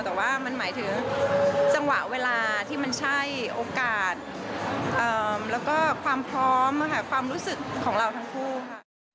แต่ว่ามันหมายถึงจังหวะเวลาที่มันใช่โอกาสแล้วก็ความพร้อมค่ะความรู้สึกของเราทั้งคู่ค่ะ